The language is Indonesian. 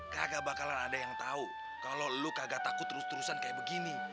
kagak bakalan ada yang tau kalo lo kagak takut terus terusan kayak begini